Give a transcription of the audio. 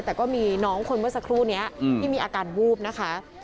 แต่ก็มีน้องคนเมื่อสักครู่นี้ที่มีอาการวูบนะคะ